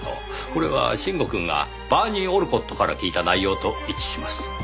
これは臣吾くんがバーニー・オルコットから聞いた内容と一致します。